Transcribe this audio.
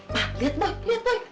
pak liat pak liat boy